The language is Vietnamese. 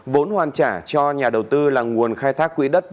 vốn hoàn trả cho nhà đầu tư là nguồn khai thác quỹ đất bảy ba trăm tám mươi tám m hai